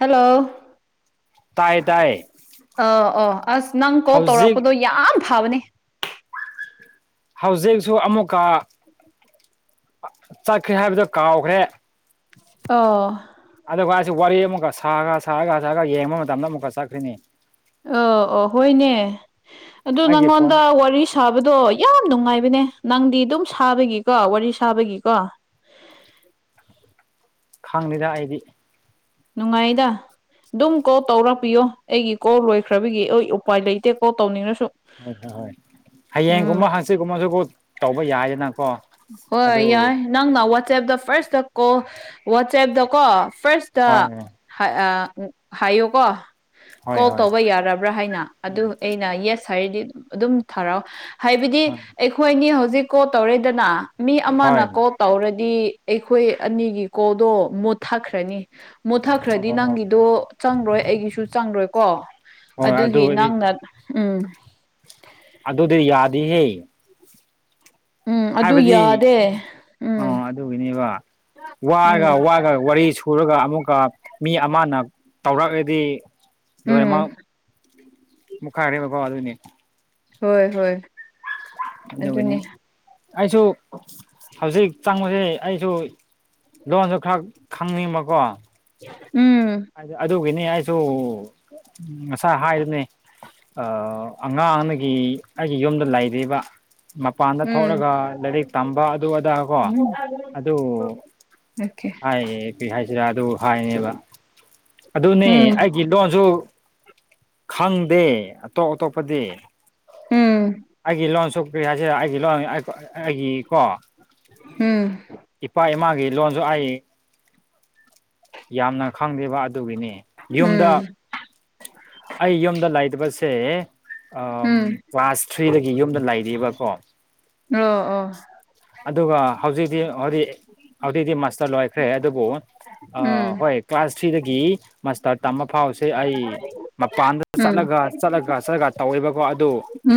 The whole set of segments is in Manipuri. ꯍꯦꯜꯂꯣ ꯇꯥꯏ ꯇꯥꯏ ꯑꯥ ꯑ ꯑꯁ ꯅꯪ ꯀꯣꯜ ꯍꯧꯖꯤꯛ ꯇꯧꯔꯛꯄꯗꯣ ꯌꯥꯝ ꯐꯕꯅꯦ ꯍꯧꯖꯤꯛꯁꯨ ꯑꯃꯨꯛꯀ ꯆꯠꯈ꯭ꯔꯦ ꯍꯥꯏꯕꯗꯣ ꯀꯥꯎꯈ꯭ꯔꯦ ꯑ ꯑꯗꯨꯒꯁꯤ ꯋꯥꯔꯤ ꯑꯃꯨꯛꯀ ꯁꯥꯔꯒ ꯁꯥꯔꯒ ꯁꯥꯔꯒ ꯌꯦꯡꯕ ꯃꯇꯝꯗ ꯑꯃꯨꯛꯀ ꯆꯠꯈ꯭ꯔꯤꯅꯤ ꯑ ꯑꯣ ꯍꯣꯏꯅꯦ ꯑꯗꯨ ꯑꯩꯒꯤ ꯐꯣꯟ ꯅꯪꯉꯣꯟꯗ ꯋꯥꯔꯤ ꯁꯥꯕꯗꯣ ꯌꯥꯝ ꯅꯨꯡꯉꯥꯏꯕ ꯍꯥꯏꯅꯦ ꯅꯪ ꯑꯗꯨꯒꯤꯣ ꯋꯥꯔꯤ ꯁꯥꯕꯒꯤꯣ ꯈꯪꯉꯦꯗ ꯑꯩꯗꯤ ꯅꯨꯡꯉꯥꯏꯗ ꯑꯗꯨꯝ ꯀꯣꯜ ꯇꯧꯔꯛꯄꯤꯌꯣ ꯑꯩꯒꯤ ꯀꯣꯜ ꯂꯣꯏꯈ꯭ꯔꯕꯒꯤ ꯑꯩ ꯎꯄꯥꯏ ꯂꯩꯇꯦ ꯀꯣꯜ ꯇꯧꯅꯤꯡꯉꯁꯨ ꯍꯣꯏ ꯍꯣꯏ ꯍꯣꯏ ꯍꯌꯦꯡꯒꯨꯝꯕ ꯍꯪꯆꯤꯠꯒꯨꯝꯕꯁꯨꯕꯨ ꯇꯧꯕ ꯌꯥꯏꯗꯅꯀꯣ ꯑꯗꯨ ꯍꯣꯏ ꯌꯥꯏ ꯅꯪꯅ ꯋꯥꯆꯦꯞꯇ ꯐꯥꯔꯁꯇ ꯀꯣ ꯋꯥꯆꯦꯞꯇ ꯀꯣ ꯍꯣꯏ ꯐꯥꯔꯁꯇ ꯍꯥꯏꯌꯣ ꯀꯣ ꯍꯣꯏ ꯀꯣꯜ ꯍꯣꯏ ꯇꯧꯕ ꯌꯥꯔꯕ꯭ꯔꯥ ꯍꯥꯏꯅ ꯑꯗꯨ ꯑꯩꯅ ꯌꯦꯁ ꯍꯥꯏꯔꯗꯤ ꯑꯗꯨꯝ ꯊꯔꯥꯎꯑꯣ ꯍꯥꯏꯕꯗꯤ ꯍꯣꯏ ꯑꯩꯈꯣꯏꯅꯤ ꯍꯧꯖꯤꯛ ꯀꯣꯜ ꯇꯧꯔꯦꯗꯅ ꯃꯤ ꯍꯣꯏ ꯑꯃꯅ ꯀꯣꯜ ꯇꯧꯔ ꯗꯤ ꯑꯩꯈꯣꯏ ꯑꯅꯤꯒꯤ ꯀꯣꯗꯣ ꯃꯣꯠꯊꯥꯈ꯭ꯔꯅꯤ ꯃꯨꯠꯊꯈ꯭ꯔꯗꯤ ꯑꯣ ꯅꯪꯒꯤꯗꯣ ꯆꯪꯔꯣꯏ ꯑꯩꯒꯤꯁꯨ ꯆꯪꯪꯂꯣꯏꯀꯣ ꯍꯣꯏ ꯑꯗꯨꯒꯤ ꯑꯗꯨꯗꯤ ꯅꯪꯅ ꯎꯝ ꯑꯗꯨꯗꯤ ꯌꯥꯗꯤꯍꯦ ꯎꯝ ꯑꯗꯨ ꯍꯥꯏꯕꯗꯤ ꯌꯥꯗꯦ ꯎꯝ ꯑꯣ ꯑꯗꯨꯒꯤꯅꯦꯕ ꯋꯥꯒ ꯎꯝ ꯋꯥꯒ ꯋꯥꯔꯤ ꯁꯨꯔꯒ ꯑꯃꯨꯛ ꯃꯤ ꯑꯃꯅ ꯇꯧꯔꯛꯑꯒꯗꯤ ꯎꯝ ꯃꯨꯎꯛ ꯈꯥꯏꯔꯦꯕꯀꯣ ꯑꯗꯨꯅꯦ ꯍꯣꯏ ꯍꯣꯏ ꯑꯗꯨꯒꯤꯅꯤ ꯑꯗꯨꯅꯤ ꯑꯩꯁꯨ ꯍꯧꯖꯤꯛ ꯆꯪꯕꯁꯦ ꯑꯩꯁꯨ ꯂꯣꯟꯁꯨ ꯈꯔ ꯈꯪꯅꯤꯡꯕꯀꯣ ꯎꯝ ꯑꯗꯨꯒꯤꯅꯤ ꯑꯩꯁꯨ ꯉꯁꯥꯏ ꯍꯥꯏꯕꯅꯦ ꯑꯥ ꯑꯉꯥꯡ ꯑꯃꯒꯤ ꯑꯩꯒꯤ ꯌꯨꯝꯗ ꯂꯩꯔꯤꯕ ꯃꯄꯥꯟꯗ ꯎꯝ ꯊꯣꯛꯂꯒ ꯂꯥꯏꯔꯤꯛ ꯇꯝꯕ ꯑꯗꯨ ꯑꯗꯥ ꯀꯣ ꯑꯗꯨ ꯑꯣꯀꯦ ꯍꯥꯏꯌꯦ ꯀꯔꯤ ꯍꯥꯏꯁꯤꯔ ꯑꯗꯨ ꯍꯥꯏꯅꯦꯕ ꯑꯗꯨꯅꯤ ꯎꯝ ꯑꯩꯒꯤ ꯂꯣꯟꯁꯨ ꯈꯪꯗꯦ ꯑꯇꯣꯞ ꯑꯇꯣꯞꯄꯗꯤ ꯎꯝ ꯑꯩꯒꯤ ꯂꯣꯟ ꯁꯨ ꯀꯔꯤ ꯍꯥꯏꯁꯦ ꯑꯩꯒꯤ ꯂꯣꯟ ꯑꯩꯒꯤ ꯀꯣ ꯎꯝ ꯏꯄꯥ ꯏꯃꯥꯒꯤ ꯂꯣꯟꯁꯨ ꯑꯩ ꯌꯥꯝꯅ ꯈꯪꯗꯦꯕ ꯑꯗꯨꯒꯤꯅꯤ ꯌꯨꯝꯗ ꯎꯝ ꯑꯩ ꯌꯨꯝꯗ ꯂꯩꯇꯕꯁꯦ ꯎꯝ ꯀ꯭ꯂꯥꯁ ꯊ꯭ꯔꯤꯗꯒꯤ ꯌꯨꯝꯗ ꯂꯩꯔꯤꯕꯀꯣ ꯑꯣ ꯑꯣ ꯑꯗꯨꯒ ꯍꯧꯖꯤꯛꯇꯤ ꯍꯧꯛ ꯍꯧꯖꯤꯛꯇꯤ ꯃꯥꯁꯇꯔ ꯂꯣꯏꯈ꯭ꯔꯦ ꯑꯗꯨꯕꯨ ꯑ ꯎꯝ ꯍꯣꯏ ꯀ꯭ꯂꯥꯁ ꯊ꯭ꯔꯤꯗꯒꯤ ꯃꯥꯁꯇꯥꯔ ꯏꯝꯐꯥꯜꯁꯦ ꯑꯩ ꯃꯄꯥꯟꯗ ꯎꯝ ꯆꯠꯂꯒ ꯆꯠꯂꯒ ꯆꯠꯂꯒ ꯇꯧꯋꯦꯕꯀꯣ ꯑꯗꯨ ꯎꯝ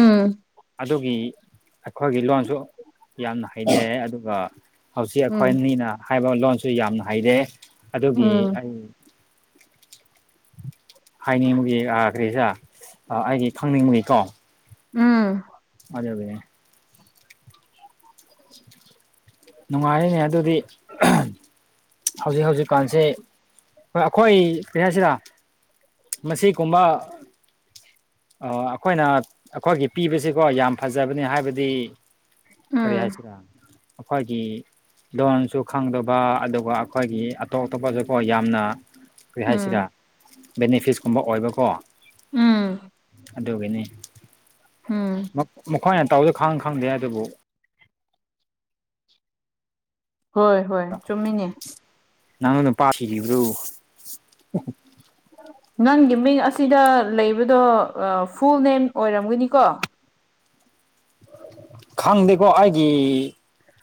ꯑꯗꯨꯒꯤ ꯑꯩꯈꯣꯏꯒꯤ ꯂꯣꯟꯁꯨ ꯌꯥꯝꯅ ꯍꯩꯗꯦ ꯑꯗꯨꯒ ꯍꯧꯖꯤꯛ ꯑꯩꯈꯣꯏ ꯎꯝ ꯑꯅꯤꯅ ꯍꯥꯏꯕ ꯂꯣꯟꯁꯨ ꯌꯥꯝꯅ ꯍꯩꯔꯦ ꯎꯝ ꯑꯗꯨꯒꯤ ꯎꯝ ꯑꯩ ꯍꯥꯏꯅꯤꯡꯕꯒꯤ ꯀꯔꯤꯁꯔꯥ ꯑꯩꯒꯤ ꯈꯪꯅꯤꯡꯕꯒꯤꯀꯣ ꯎꯝ ꯑꯗꯨꯒꯤꯅꯤ ꯅꯨꯡꯉꯥꯏꯔꯤꯁ‌ꯦ ꯑꯗꯨꯗꯤ ꯍꯧꯖꯤꯛ ꯍꯧꯖꯤꯛꯀꯥꯟꯁꯤ ꯍꯣꯏ ꯑꯩꯈꯣꯏ ꯀꯩꯍꯥꯏꯁꯤꯔ ꯃꯁꯤꯒꯨꯝꯕ ꯑꯣ ꯑꯩꯈꯣꯏꯅ ꯑꯩꯈꯣꯏꯒꯤ ꯄꯤꯕꯁꯤꯀꯣ ꯌꯥꯝ ꯐꯖꯕꯅꯤ ꯍꯥꯏꯕꯗꯤ ꯀꯔꯤ ꯎꯝ ꯍꯥꯏꯁꯤꯔꯥ ꯑꯩꯈꯣꯏꯒꯤ ꯂꯣꯟꯁꯨ ꯈꯪꯗꯕ ꯑꯗꯨꯒ ꯑꯩꯈꯣꯏꯒꯤ ꯑꯇꯣꯞ ꯑꯇꯣꯞꯄꯁꯨꯀꯣ ꯌꯥꯝꯅ ꯀꯔꯤ ꯎꯝ ꯍꯥꯏꯁꯤꯔꯥ ꯕꯦꯅꯤꯐꯤꯠꯁꯀꯨꯝꯕ ꯑꯣꯏꯕꯀꯣ ꯎꯝ ꯑꯗꯨꯒꯤꯅꯤ ꯎꯝ ꯑꯩꯈꯣꯏꯅ ꯇꯧꯕꯗꯤ ꯈꯪ ꯈꯪꯗꯦ ꯑꯗꯨꯕꯨ ꯍꯣꯏ ꯍꯣꯏ ꯆꯨꯝꯃꯤꯅꯦ ꯅꯪꯒꯤ ꯅꯨꯄꯥ ꯁꯤꯈꯤꯕꯗꯨ ꯅꯪꯒꯤ ꯃꯤꯡ ꯑꯁꯤꯗ ꯂꯩꯕꯗꯣ ꯐꯨꯜ ꯅꯦꯝ ꯑꯣꯏꯔꯝꯒꯅꯤꯀꯣ ꯈꯪꯗꯦꯀꯣ ꯑꯩꯒꯤ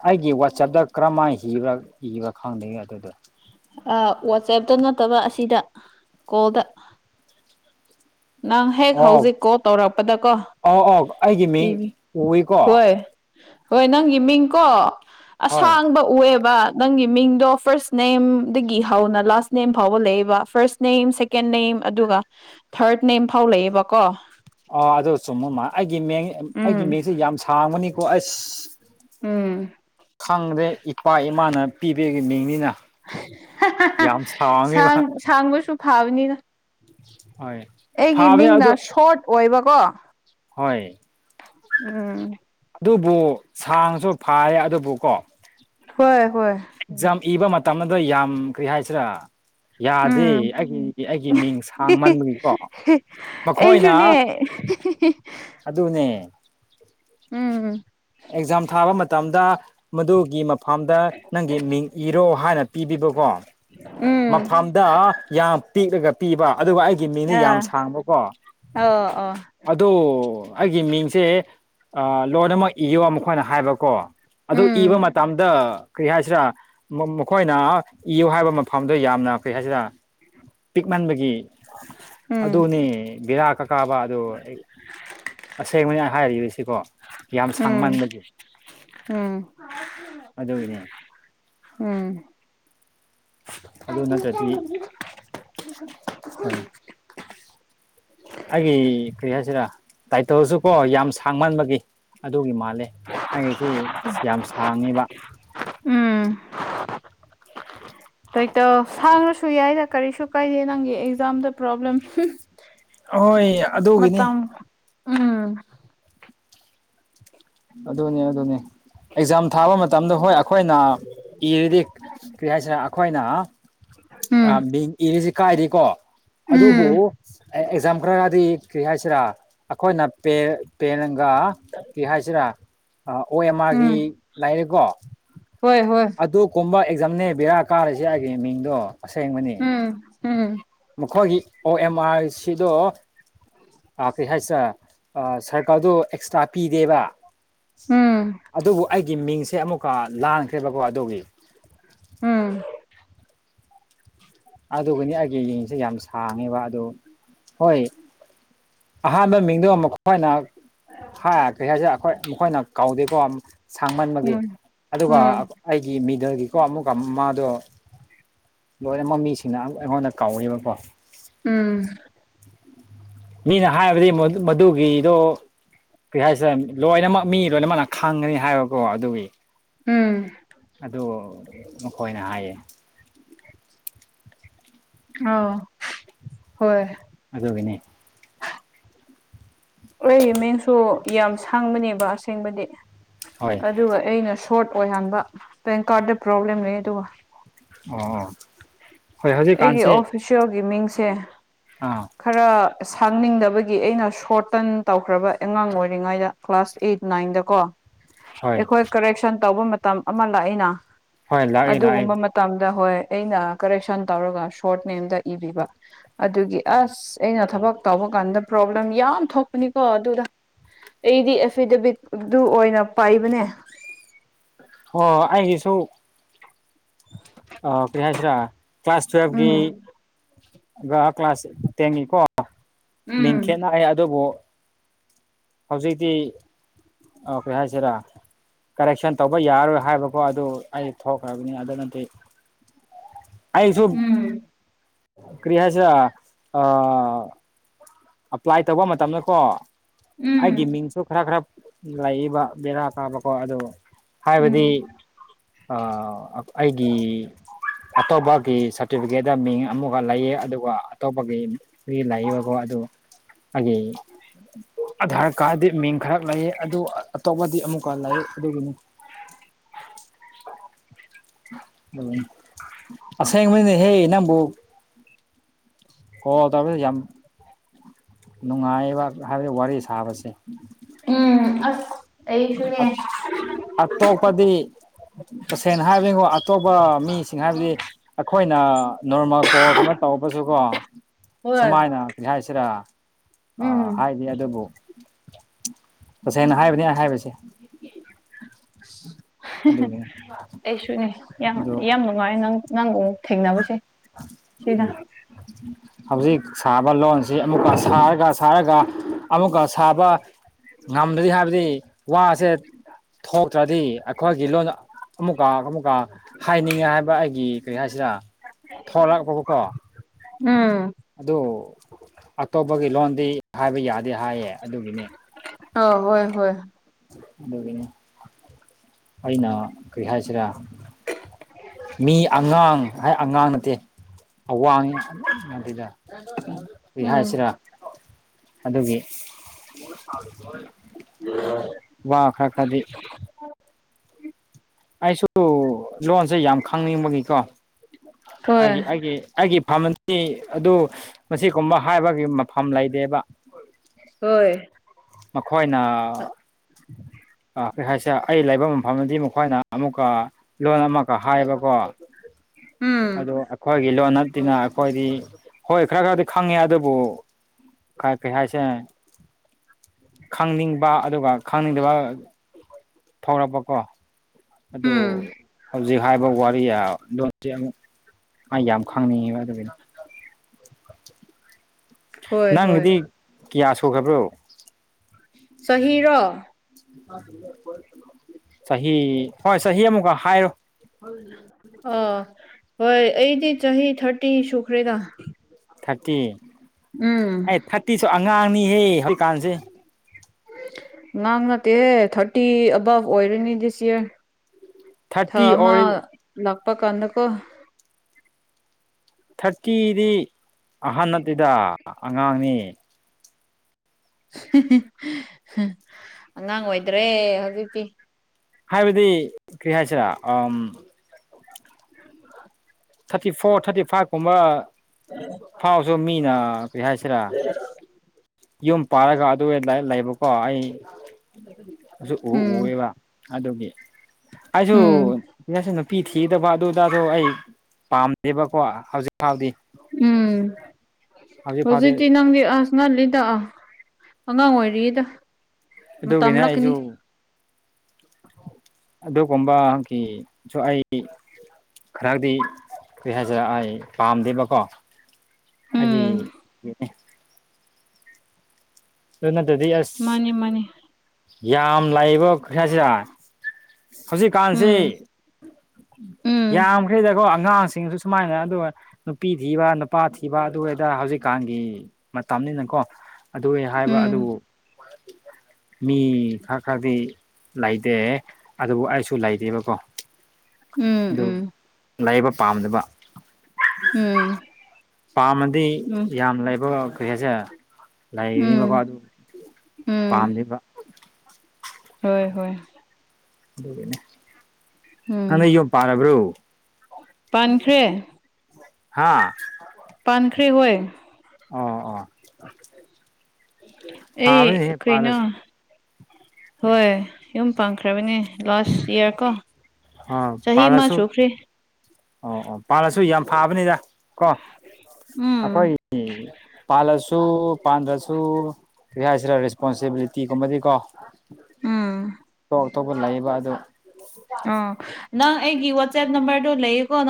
ꯑꯩꯒꯤ ꯋꯥꯆꯦꯞꯇ ꯀꯔꯝꯥꯏꯅꯕ ꯏꯕ꯭ꯔꯥ ꯈꯪꯗꯦ ꯑꯗꯨꯗꯣ ꯋꯥꯆꯦꯞꯇ ꯅꯠꯇꯕ ꯑꯁꯤꯗ ꯀꯣꯜꯗ ꯅꯪ ꯍꯦꯛ ꯍꯧꯖꯤꯛ ꯀꯣꯜ ꯇꯧꯔꯛꯄꯗꯀꯣ ꯑꯧ ꯑꯧ ꯑꯩꯒꯤ ꯃꯤꯡ ꯏꯕꯤ ꯎꯏꯀꯣ ꯍꯣꯏ ꯍꯣꯏ ꯅꯪꯒꯤ ꯃꯤꯡꯀꯣ ꯍꯣꯏ ꯑꯁꯥꯡꯕ ꯎꯑꯦꯕ ꯅꯪꯒꯤ ꯃꯤꯡꯗꯣ ꯐꯥꯔꯁ ꯅꯦꯝꯗꯒꯤ ꯍꯧꯅ ꯂꯥꯁ ꯅꯦꯝ ꯐꯥꯎꯕ ꯂꯩꯕ ꯐꯥꯔꯁ ꯅꯦꯝ ꯁꯦꯀꯦꯟ ꯅ ꯑꯗꯨꯒ ꯊꯥꯔꯠ ꯅꯦꯝ ꯐꯥꯎ ꯂꯩꯌꯦꯕꯀꯣ ꯑ ꯑꯗꯨ ꯆꯨꯝꯕ ꯃꯥ ꯑꯩꯒꯤ ꯃꯤꯡ ꯑꯩꯒꯤ ꯎꯝ ꯃꯤꯡꯁꯦ ꯌꯥꯝ ꯁꯥꯡꯕꯅꯤꯀꯣ ꯑꯁ ꯎꯝ ꯈꯪꯗ꯭ꯔꯦ ꯏꯄꯥ ꯏꯃꯥꯅ ꯄꯤꯕꯒꯤ ꯃꯤꯡꯅꯤꯅ ꯌꯥꯝ ꯁ ꯁꯥꯡꯉꯦꯕ ꯁꯥꯡꯕꯁꯨ ꯐꯥꯕꯅꯤꯅ ꯍꯣꯏ ꯑꯩꯒꯤ ꯐꯕꯅꯦ ꯃꯤꯡꯅ ꯑꯗꯨ ꯁꯣꯔꯠ ꯑꯣꯏꯕꯀꯣ ꯍꯣꯏ ꯎꯝ ꯑꯗꯨꯕꯨ ꯁꯥꯡꯁꯨ ꯐꯔꯦ ꯑꯗꯨꯕꯨꯀꯣ ꯍꯣꯏ ꯍꯣꯏ ꯑꯦꯛꯖꯝ ꯏꯕ ꯃꯇꯝꯗ ꯌꯥꯝ ꯀꯔꯤ ꯍꯥꯏꯁꯤꯔꯥ ꯌꯥꯗꯦ ꯎꯝ ꯑꯩꯒꯤ ꯑꯩꯒꯤ ꯃꯤꯡ ꯁꯥꯡꯃꯟꯕꯒꯤꯀꯣ ꯃꯈꯣꯏꯅ ꯑꯩꯁꯨꯅꯦ [unintelligible] ꯑꯗꯨ ꯑꯗꯨꯅꯦ ꯎꯝꯝ ꯑꯦꯛꯖꯥꯝ ꯊꯥꯕ ꯃꯇꯝꯗ ꯃꯗꯨꯒꯤ ꯐꯥꯔꯝꯗ ꯅꯪꯒꯤ ꯃꯤꯡ ꯏꯔꯣ ꯍꯥꯏꯅ ꯄꯤꯕꯤꯕꯀꯣ ꯎꯝ ꯃꯐꯝꯗ ꯌꯥꯝ ꯄꯤꯛꯂꯒ ꯄꯤꯕ ꯑꯗꯨꯒ ꯑꯩꯒꯤ ꯃꯤꯅ ꯌꯥꯝ ꯑꯥ ꯁꯥꯡꯕꯀꯣ ꯑꯣ ꯑꯣ ꯑꯩꯒꯤ ꯃꯤꯡꯁꯦ ꯑ ꯂꯣꯟ ꯑꯃ ꯏꯌꯣ ꯃꯈꯣꯏꯅ ꯍꯥꯏꯕꯀꯣ ꯑꯗꯨ ꯏꯕ ꯎꯝ ꯃꯇꯝꯗ ꯀꯔꯤ ꯍꯥꯏꯁꯤꯔꯥ ꯃꯈꯣꯏꯅ ꯏꯌꯨ ꯍꯥꯏꯕ ꯃꯐꯝꯗꯣ ꯌꯥꯝꯅ ꯀꯔꯤ ꯍꯥꯏꯁꯤꯔꯥ ꯄꯤꯛꯃꯟꯕꯒꯤ ꯎꯝ ꯑꯗꯨꯅꯦ ꯕꯤꯔꯥꯛ ꯀꯀꯥꯕ ꯑꯗꯣ ꯑꯁꯦꯡꯕꯅꯤ ꯍꯥꯏꯔꯤꯕꯁꯤꯀꯣ ꯌꯥꯝ ꯎꯝ ꯁꯥꯡꯃꯟꯕꯒꯤ ꯎꯝ ꯑꯗꯨꯒꯤꯅꯦ ꯎꯝ ꯑꯗꯨ ꯅꯠꯇ꯭ꯔꯗꯤ ꯍꯣꯏ ꯑꯩꯒꯤ ꯀꯔꯤ ꯍꯥꯏꯁꯤꯗ ꯇꯥꯏꯇꯜꯁꯨ ꯀꯣ ꯌꯥꯝ ꯁꯥꯡꯃꯟꯕꯒꯤ ꯑꯗꯨꯒꯤ ꯃꯥ ꯂꯦ ꯑꯩꯒꯤꯁꯤ ꯌꯥꯝ ꯁꯥꯡꯉꯤꯕ [inaudible] ꯇꯥꯏꯇꯔ ꯁꯥꯡꯉ꯭ꯔꯁꯨ ꯌꯥꯏꯗ ꯀꯔꯤꯁꯨ ꯀꯥꯏꯗꯦ ꯅꯪꯒꯤ ꯑꯦꯛꯖꯥꯝꯗ ꯄ꯭ꯔꯣꯕ꯭ꯂꯦꯝ ꯑꯣꯏ ꯑꯗꯨꯒꯤꯅꯤ ꯃꯇꯝ ꯎꯝ ꯑꯗꯨꯅꯦ ꯑꯗꯨꯅꯦ ꯑꯦꯛꯖꯥꯝ ꯊꯥꯕ ꯃꯇꯝꯗ ꯍꯣꯏ ꯑꯩꯈꯣꯏꯅ ꯏꯔꯤꯗꯤ ꯀꯔꯤ ꯍꯥꯏꯁꯤꯅ ꯑꯩꯈꯣꯏꯅ ꯎꯝ ꯕꯤ ꯏꯔꯤꯁꯤ ꯀꯥꯏꯔꯤꯀꯣ ꯑꯗꯨꯕꯨ ꯎꯝ ꯑꯦꯛꯖꯥꯝꯄꯜ ꯈꯈ꯭ꯔꯗꯤ ꯀꯔꯤ ꯍꯥꯏꯁꯤꯔꯥ ꯑꯩꯈꯣꯏꯅ ꯄꯦꯟꯒ ꯀꯔꯤ ꯍꯥꯏ ꯔ ꯎꯝ ꯑꯣꯃꯥꯒꯤ ꯂꯥꯏꯔꯦꯀꯣ ꯍꯣꯏ ꯍꯣꯏ ꯑꯗꯨ ꯀꯣꯕ ꯑꯦꯛꯖꯝꯅꯦ ꯕꯦꯔꯥ ꯀꯥꯔꯤꯁꯤ ꯑꯩꯒꯤ ꯃꯤꯡꯗꯣ ꯑꯁꯦꯡꯕꯅꯤ ꯎꯝ ꯎꯝ ꯃꯈꯣꯏꯒꯤ ꯑꯣ ꯑꯦꯝ ꯑꯥꯔ ꯁꯤꯗꯣ ꯑꯥ ꯀꯔꯤ ꯍꯥꯏꯁꯔ ꯁꯔꯀꯥꯔꯗꯣ ꯑꯦꯛꯁꯇ꯭ꯔꯥ ꯄꯤꯗꯦꯕ ꯎꯝ ꯒꯤ ꯃꯤꯡꯁꯦ ꯑꯃꯨꯛꯀ ꯂꯥꯟꯈ꯭ꯔꯦꯕꯀꯣ ꯑꯗꯨꯒꯤ ꯎꯝ ꯑꯗꯨꯒꯅꯤ ꯑꯩꯒꯤ ꯌꯦꯡꯁꯦ ꯌꯥꯝ ꯁꯥꯡꯉꯦꯕ ꯑꯗꯨ ꯍꯣꯏ ꯑꯍꯥꯟꯕ ꯃꯤꯡꯗꯣ ꯑꯃꯨꯛ ꯈꯣꯏꯅ ꯍꯥꯏ ꯀꯩ ꯍꯥꯏꯁꯦ ꯑꯩꯈꯣꯏ ꯃꯈꯣꯏꯅ ꯀꯥꯎꯗꯦꯀꯣ ꯁꯥꯡꯃꯟꯕꯒꯤ ꯎꯝ ꯑꯗꯨꯒ ꯎꯝ ꯑꯩꯒꯤ ꯃꯤ ꯗꯜꯒꯤꯀꯣ ꯑꯃꯨꯛꯀ ꯃꯥꯗꯣ ꯂꯣꯏꯅꯃꯛ ꯃꯤꯁꯤꯡꯅ ꯑꯃꯛ ꯑꯩꯉꯣꯟꯗ ꯀꯧꯋꯦꯕꯀꯣ ꯎꯝ ꯃꯤꯅ ꯍꯥꯏꯕꯗꯤ ꯃꯗꯨꯒꯤꯗꯣ ꯀꯔꯤ ꯍꯥꯏꯁꯦ ꯂꯣꯏꯅꯃꯛ ꯃꯤ ꯂꯣꯏꯅꯃꯛꯅ ꯈꯪꯒꯅꯤ ꯍꯥꯏꯕꯀꯣ ꯑꯗꯨꯒꯤ ꯎꯝ ꯑꯗꯨ ꯃꯈꯣꯏꯅ ꯍꯥꯏꯌꯦ ꯑ ꯍꯣꯏ ꯑꯗꯣ ꯏꯅꯦ ꯑꯩꯒꯤ ꯃꯤꯡꯁꯨ ꯌꯥꯝ ꯁꯥꯡꯕꯅꯦꯕ ꯑꯁꯦꯡꯕꯗꯤ ꯍꯣꯏ ꯑꯗꯨꯒ ꯑꯩꯅ ꯁꯣꯔꯠ ꯑꯣꯏꯍꯟꯕ ꯄꯦꯟ ꯀꯥꯔꯗ ꯄ꯭ꯔꯣꯕ꯭ꯂꯦꯝ ꯂꯩ ꯑꯗꯨꯒ ꯑꯣ ꯍꯣꯏ ꯑꯩꯒꯤ ꯍꯧꯖꯤꯛꯀꯥꯟꯁꯤ ꯑꯣꯐꯤꯁꯦꯜꯒꯤ ꯃꯤꯡꯁꯦ ꯑꯥ ꯈꯔ ꯁꯥꯡꯅꯤꯡꯗꯕꯒꯤ ꯑꯩꯅ ꯁꯣꯔꯇꯟ ꯇꯧꯈ꯭ꯔꯕ ꯑꯉꯥꯡ ꯑꯣꯏꯔꯤꯉꯩꯗ ꯀ꯭ꯂꯥꯁ ꯑꯩꯠ ꯅꯥꯏꯟꯗꯀꯣ ꯍꯣꯏ ꯑꯩꯈꯣꯏ ꯀꯔꯦꯛꯁꯟ ꯇꯧꯕ ꯃꯇꯝ ꯑꯃ ꯂꯥꯛꯏꯅ ꯍꯣꯏ ꯂꯥꯛꯑꯦ ꯂꯥꯛꯑꯦ ꯑꯗꯨꯒꯨꯝꯕ ꯃꯇꯝꯗ ꯍꯣꯏ ꯑꯩꯅ ꯀꯦ ꯑꯗꯨ ꯑ ꯑꯩꯅ ꯊꯛ ꯇ ꯀꯗ ꯄꯣꯂꯦꯝ ꯌꯥꯝ ꯊꯣꯛꯄꯅꯤꯀꯣ ꯑꯗꯨꯗ ꯑꯩꯗꯤ ꯑꯦꯐꯤꯗꯦꯕꯤꯠ ꯑꯗꯨ ꯑꯣꯏꯅ ꯄꯥꯏꯕꯅꯦ ꯑꯣ ꯑꯩꯒꯤꯁꯨ ꯑꯣ ꯀꯔꯤ ꯍꯥꯏꯁꯤꯔꯥ ꯀ꯭ꯂꯥꯁ ꯎꯝ ꯇꯨꯋꯜꯚꯒꯤ ꯀ꯭ꯂꯥꯁ ꯇꯦꯟꯒꯤꯀꯣ ꯎꯝ ꯃꯤꯡ ꯈꯦꯅꯩ ꯑꯗꯨꯕꯨ ꯍꯧꯖꯤꯛꯇꯤ ꯀꯩ ꯍꯥꯏꯁꯤꯔꯥ ꯀꯔꯦꯛꯁꯟ ꯇꯧꯕ ꯌꯥꯔꯣꯏ ꯍꯥꯏꯕꯀꯣ ꯑꯗꯨ ꯑꯩ ꯊꯣꯛꯈ꯭ꯔꯕꯅꯤ ꯑꯗꯨꯅꯗꯤ ꯑꯩꯁꯨ ꯎꯝ ꯀ꯭ꯔꯤꯌꯥꯁꯤ ꯑ ꯑꯄ꯭ꯂꯥꯏ ꯇꯧꯕ ꯃꯇꯝꯗꯀꯣ ꯎꯝ ꯑꯩꯒꯤ ꯃꯤꯡꯁꯨ ꯈꯔ ꯈꯔ ꯂꯩꯕ ꯕꯦꯔꯥ ꯀꯥꯕꯀꯣ ꯑꯗꯨ ꯍꯥꯏꯕꯗꯤ ꯎꯝ ꯑꯩꯒꯤ ꯑꯇꯣꯞꯄꯒꯤ ꯁꯥꯔꯇꯤꯐꯤꯀꯦꯠ ꯃꯤꯡ ꯑꯃꯨꯒ ꯂꯩꯌꯦ ꯑꯗꯨꯒ ꯑꯇꯣꯞꯄꯒꯤ ꯂꯏꯕꯒꯣ ꯑꯗꯨ ꯑꯩꯒꯤ ꯑꯙꯥꯔ ꯀꯥꯔꯗꯤ ꯃꯤꯡ ꯈꯔ ꯂꯩ ꯑꯗꯨ ꯑꯇꯣꯞꯄꯗꯤ ꯑꯃꯨꯛꯀ ꯂꯩ ꯑꯗꯨꯒꯤꯅꯤ [unintelligible] ꯑꯁ ꯍꯦꯡ ꯃ ꯍꯦ ꯅꯕꯨꯣ ꯀꯣ ꯇꯔꯗꯤ ꯌꯥꯝ ꯅꯨꯡꯉꯥꯏꯕ ꯍꯥꯏꯕꯗꯤ ꯋꯥꯔꯤ ꯁꯥꯕꯁꯦ ꯎꯝ ꯑꯁ ꯑꯩꯁꯨꯅꯦ ꯑꯇꯣꯞꯄꯗꯤ ꯇꯁꯦꯡꯅ ꯍꯥꯏꯕꯅꯤꯉꯣ ꯑꯇꯣꯞꯄ ꯃꯤꯁꯤꯡ ꯍꯥꯏꯕꯗꯤ ꯑꯩꯈꯣꯏꯅ ꯅꯣꯔꯃꯦꯜ ꯀꯣꯜ ꯀꯨꯝꯕ ꯇꯧꯔ ꯁꯨꯨꯒꯣ ꯍꯣꯏ ꯁꯨꯃꯥꯏꯅ ꯀꯔꯤ ꯍꯥꯏꯁꯤꯔꯥ ꯑ ꯎꯝ ꯍꯥꯏꯗꯤ ꯑꯗꯨꯕꯨ ꯇꯁꯦꯡꯅ ꯍꯥꯏꯕꯅꯦ ꯍꯥꯏꯕꯁꯦ ꯑꯗꯨꯒꯤꯅꯤ ꯑꯩꯁꯨꯅꯦ ꯌꯥꯝ ꯌꯥꯝ ꯅꯨꯡꯉꯥꯏ ꯅꯪ ꯅꯪꯕꯨꯛ ꯍꯧꯖꯤ ꯁꯥꯕ ꯂꯣꯟꯁꯤ ꯑꯃꯨꯛꯀ ꯁꯥꯔꯒ ꯁꯥꯔꯒ ꯑꯃꯨꯛꯀ ꯁꯥꯕ ꯉꯝꯗ꯭ꯔꯔꯤ ꯍꯥꯏꯕꯗꯤ ꯋꯥꯁꯦ ꯅꯠꯇ꯭ꯔꯗꯤ ꯑꯩꯈꯣꯏꯒꯤ ꯂꯣꯟ ꯑꯃꯨꯛꯀ ꯑꯃꯨꯛꯀ ꯍꯥꯏꯅꯤꯡꯉꯦ ꯍꯥꯏꯕ ꯑꯩꯒꯤ ꯀꯔꯤ ꯍꯥꯏ ꯊꯂꯒꯄꯒꯀꯣ ꯎꯝ ꯑꯗꯨ ꯑꯇꯣꯞꯄꯒꯤ ꯂꯣꯟꯗꯤ ꯍꯥꯏꯕ ꯌꯥꯗꯦ ꯍꯥꯏꯌꯦ ꯑꯗꯨꯒꯤꯅꯤ ꯑ ꯍꯣꯏ ꯍꯣꯏ ꯑꯗꯨꯒꯤꯅꯦ ꯑꯩꯅ ꯀꯔꯤ ꯍꯥꯏꯁꯤꯔꯥ ꯃꯤ ꯑꯉꯥꯡ ꯍꯥꯏ ꯑꯉꯥꯡ ꯅꯠꯇꯦ ꯑꯋꯥꯡꯉ ꯉꯗꯦꯗ ꯎꯝ ꯔꯤꯍꯥꯏꯁꯤꯔꯥ ꯑꯗꯨꯒꯤ ꯑꯣ ꯋꯥ ꯈꯥ ꯀꯗꯤ ꯑꯩꯁꯨ ꯂꯣꯟꯁꯦ ꯌꯥꯝ ꯈꯪꯅꯤꯡꯕꯒꯤꯀꯣ ꯍꯣꯏ ꯍꯥꯏꯦꯦ ꯍꯥꯏꯦ ꯐꯃꯟ ꯑꯗꯨ ꯃꯁꯤꯒꯨꯝꯕ ꯍꯥꯏꯕꯒꯤ ꯃꯐꯝ ꯂꯩꯗꯦꯕ ꯍꯣꯏ ꯍꯣꯏꯅ ꯑꯩ ꯍꯥꯏꯁꯦ ꯑꯩ ꯂꯩꯕ ꯃꯐꯝꯗꯗꯤ ꯃꯈꯣꯏꯅ ꯑꯃꯨꯛꯀ ꯂꯣꯟ ꯑꯃꯛꯀ ꯍꯥꯏꯌꯦꯕꯀꯣ ꯎꯝ ꯑꯗꯣ ꯑꯈꯋꯥꯒꯤ ꯏꯂꯣꯅ ꯇꯅ ꯑꯩꯈꯣꯏꯗꯤ ꯍꯣꯏ ꯈꯔ ꯈꯔꯗꯤ ꯈꯪꯉꯦ ꯑꯗꯨꯕꯨ ꯀꯥꯏ ꯀꯩ ꯍꯥꯏꯥꯏꯁꯦ ꯈꯪꯅꯤꯡꯕ ꯑꯗꯨꯒ ꯈꯪꯅꯤꯡꯗꯕ ꯐꯥꯎꯔꯛꯄꯀꯣ ꯑꯗꯨ ꯎꯝ ꯍꯧꯖꯤꯛ ꯍꯥꯏꯕ ꯋꯥꯔꯤꯣꯟꯁ ꯑꯃꯨꯛ ꯑꯩ ꯌꯥꯝ ꯈꯪꯅꯤꯡꯉꯤꯕ ꯑꯗꯨꯗꯤ [unintelligible] ꯍꯣꯏ ꯍꯣꯏ ꯀꯤꯌꯥ ꯁꯣꯛꯈ꯭ꯔꯕ꯭ꯔꯣ ꯁꯍꯤꯔꯣ ꯆꯍꯤ ꯍꯣꯏ ꯆꯍꯤ ꯑꯃꯨꯛꯀ ꯍꯥꯏꯔꯣ ꯍ ꯍꯣꯏ ꯑꯩꯗꯤ ꯆꯍꯤ ꯊꯥꯔꯇꯤ ꯁꯨꯈ꯭ꯔꯦꯗ ꯊꯥꯔꯇꯤ ꯎꯝ ꯑꯩ ꯊꯥꯔꯇꯤꯁꯨ ꯑꯉꯥꯡꯅꯤꯍꯦ ꯍꯧꯖꯤꯛꯀꯥꯟꯁꯦ ꯉꯥꯡ ꯅꯠꯇꯦꯍꯦ ꯊꯥꯔꯇꯤ ꯑꯕꯞ ꯑꯣꯏꯔꯅꯤ ꯗꯤꯁ ꯌꯌꯥꯔ ꯊꯥ ꯊꯥꯔꯇꯤ ꯑꯃ ꯑꯣꯏ ꯂꯥꯛꯄ ꯀꯥꯟꯗꯀꯣ ꯊꯥꯔꯇꯤꯗꯤ ꯑꯍꯟ ꯅꯠꯇꯦꯗ ꯑꯉꯥꯡꯅꯤ ꯑꯉꯥꯡ ꯑꯣꯏꯗ꯭ꯔꯦ ꯍꯧꯖꯤꯛꯇꯤ ꯍꯥꯏꯕꯗꯤ ꯀ꯭ꯔꯤꯌꯥꯁꯤꯔ ꯑ ꯊꯥꯔꯇꯤ ꯐꯣꯔ ꯊꯥꯔꯇꯤ ꯐꯥꯏꯚꯀꯨꯝꯕ ꯎꯝ ꯁꯣ ꯃꯤꯅ ꯀꯩ ꯍꯥꯏꯁꯤꯔꯥ ꯌꯨꯝ ꯄꯥꯔꯒ ꯑꯗꯨ ꯂꯩꯕꯀꯣ ꯑꯩ ꯑꯗꯨ ꯎ ꯎꯝ ꯎꯑꯦꯕ ꯑꯗꯨꯒꯤ ꯎꯝ ꯑꯩꯁꯨꯁꯨ ꯅꯨꯄꯤ ꯊꯤꯗꯕ ꯑꯗꯨꯗꯁꯨ ꯑꯩ ꯄꯥꯝꯗꯦꯕꯀꯣ ꯍꯧꯖꯤꯛ ꯐꯥꯎꯗꯤ ꯎꯝ ꯍꯧꯖꯤꯛ ꯐꯥꯎꯗꯤ ꯍꯧꯖꯤꯗꯤꯤ ꯅꯪꯗꯤ ꯑꯁꯅ ꯂꯤ ꯗꯥ ꯑꯉꯥꯡ ꯑꯣꯏꯔꯤꯗ ꯃꯇꯝ ꯑꯗꯨꯒꯤꯅꯦ ꯑꯩꯁꯨ ꯂꯥꯛꯀꯅꯤ ꯑꯗꯨꯒꯨꯝꯕꯒꯤ ꯁ ꯑꯩ ꯈꯔꯗꯤ ꯀꯔꯤ ꯍꯥꯏꯁꯤꯔ ꯑꯩ ꯄꯥꯝꯗꯦꯕꯀꯣ ꯑꯗꯨꯗꯤ ꯎꯝ ꯑꯗꯨ ꯅꯠꯇꯗꯤ ꯑꯁ ꯃꯥꯅꯤ ꯃꯥꯅꯤ ꯌꯥꯝ ꯂꯥꯛꯏꯑꯕꯣ ꯈꯩꯁꯥꯁꯤꯗ ꯍꯧꯖꯤꯛꯀꯥꯟꯁꯤ ꯎꯝ ꯎꯝ ꯌꯥꯝꯈ꯭ꯔꯦꯗꯀꯣ ꯑꯉꯥꯡꯁꯤꯡꯁꯨ ꯁꯨꯃꯥꯏꯅ ꯑꯗꯨꯒ ꯅꯨꯄꯤ ꯊꯤꯕ ꯅꯨꯄꯥ ꯊꯤꯕ ꯑꯗꯨꯗ ꯍꯧꯖꯤꯛꯀꯥꯟꯒꯤ ꯃꯇꯝꯅꯤꯅꯀꯣ ꯍꯥꯏꯕ ꯎꯝ ꯑꯗꯨꯕꯨ ꯃꯤ ꯈꯔ ꯈꯔꯗꯤ ꯂꯩꯇꯦ ꯑꯗꯨꯕꯨ ꯑꯩꯁꯨ ꯂꯩꯇꯦꯕꯀꯣ ꯎꯝ ꯎꯝ ꯂꯩꯥꯏꯕ ꯄꯥꯝꯗꯕ ꯎꯝ ꯄꯥꯝꯃꯗꯤ ꯎꯝ ꯎꯝ ꯌꯥꯝ ꯂꯩꯕ ꯀꯩꯁꯦ ꯂꯩꯅꯤꯕꯀꯣ ꯎꯝ ꯑꯗꯨ ꯎꯝ ꯄꯝꯗꯄꯥ ꯍꯣꯏ ꯍꯣꯏ ꯑꯗꯨꯅꯦ ꯎꯝ ꯑꯅ ꯌꯣ ꯄꯥꯔꯕ꯭ꯔꯣ ꯄꯥꯟꯈ꯭ꯔꯦ ꯍꯥꯥ ꯃꯥꯟꯈ꯭ꯦ ꯍꯣꯏ ꯑꯣ ꯑꯣ ꯑꯦ ꯐꯥꯕꯅꯤꯍꯦ ꯈꯣꯏꯅ ꯄꯥꯜꯂꯁꯨ ꯍꯣꯏ ꯌꯨꯝ ꯄꯥꯟꯈ꯭ꯔꯕꯅꯦ ꯂꯥꯁ ꯏꯌꯥꯔ ꯀꯣ ꯑ ꯆꯍꯤ ꯑꯃ ꯄꯂꯁꯨ ꯁꯨꯈ꯭ꯔꯦ ꯑꯣ ꯑꯣ ꯄꯥꯜꯂꯁꯨ ꯌꯥꯝ ꯐꯥꯕꯅꯤꯗ ꯀꯣ ꯎꯝ ꯑꯩꯈꯣꯏ ꯄꯂꯁꯨ ꯁꯨ ꯄꯥꯟꯗ꯭ꯔꯁꯨ ꯀꯔꯤ ꯍꯥꯏꯁꯤꯔ ꯔꯦꯁꯄꯣꯟꯁꯤꯕꯤꯂꯤꯇꯤꯒꯨꯝꯕꯗꯤ ꯀꯣ ꯎꯝ ꯇꯣ ꯑꯇꯣꯞꯄ ꯂꯩꯌꯦꯕ ꯑꯗꯨ ꯑ ꯅꯪ ꯑꯩꯒꯤ ꯋꯥꯆꯦꯞ ꯅꯝꯕꯔꯗꯣ ꯂꯩꯌꯦꯀꯣ ꯅꯪ